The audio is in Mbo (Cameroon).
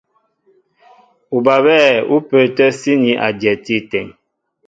Ubabɛ̂ ú pə́ə́tɛ́ síní a dyɛti áteŋ.